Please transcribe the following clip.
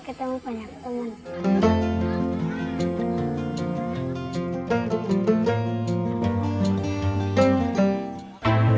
keinginan usahawan orangtua